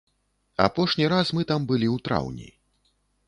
Апошні раз мы там былі ў траўні.